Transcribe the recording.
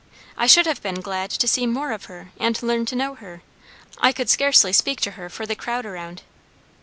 "I should have been glad to see more of her, and learn to know her. I could scarcely speak to her for the crowd around."